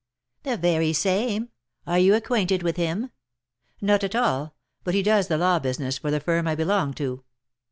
"The very same; are you acquainted with him?" "Not at all; but he does the law business for the firm I belong to."